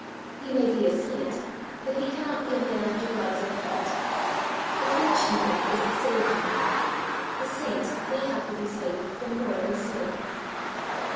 He may be a saint, but he cannot be a man after God's own heart. The finished man is the saved man. The saint may have to be saved from more than sin.